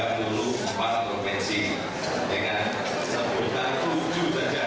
nah indonesia adalah tiga puluh empat provinsi dengan sepuluh tahun tujuh saja